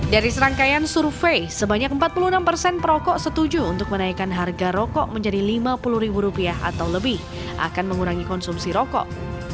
dari serangkaian survei sebanyak empat puluh enam persen perokok setuju untuk menaikkan harga rokok menjadi lima puluh ribu rupiah atau lebih akan mengurangi konsumsi rokok